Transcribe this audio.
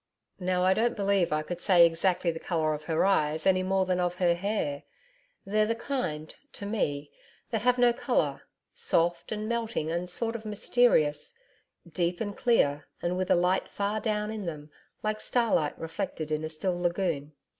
'Now I don't believe I could say exactly the colour of her eyes any more than of her hair. They're the kind, to me, that have no colour. Soft and melting and sort of mysterious Deep and clear and with a light far down in them like starlight reflected in a still lagoon....